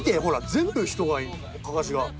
全部人がかかしが。